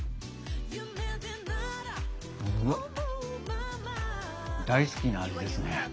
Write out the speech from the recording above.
うわっ大好きな味ですね。